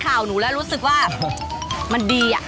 ข่าวหนูแล้วรู้สึกว่ามันดีอะ